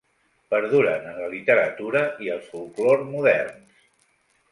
Perduren en la literatura i el folklore moderns.